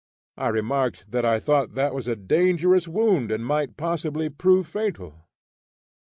I remarked that I thought that was a dangerous wound, and might possibly prove fatal.